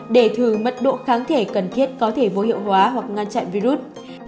để thử mất độ kháng thể cần thiết có thể vô hiệu hóa hoặc ngăn chặn virus